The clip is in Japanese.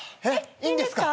いいんですか？